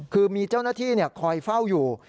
คือมีเจ้าหน้าที่คอยเฝ้าอยู่